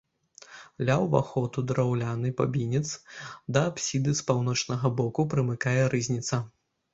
Ля ўваходу драўляны бабінец, да апсіды з паўночнага боку прымыкае рызніца.